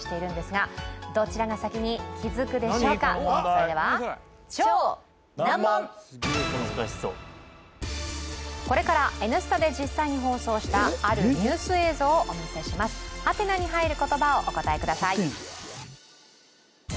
それではこれから「Ｎスタ」で実際に放送したあるニュース映像をお見せします？に入る言葉をお答えください